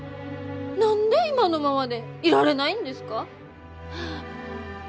何で今のままでいられないんですか？